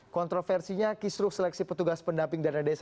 kontroversinya kisruh seleksi petugas pendamping dana desa